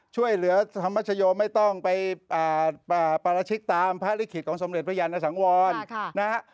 ช่วยเหลือธรรมชโยไม่ต้องไปปราชิกตามพระลิขิตของสมเด็จพระยันสังวรนะฮะ